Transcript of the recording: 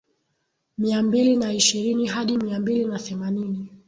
Mia mbili na ishirini hadi mia mbili na themanini